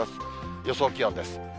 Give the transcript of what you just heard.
予想気温です。